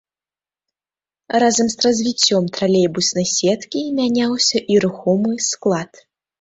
Разам з развіццём тралейбуснай сеткі мяняўся і рухомы склад.